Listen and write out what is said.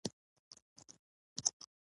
د سپوږمۍ وړانګې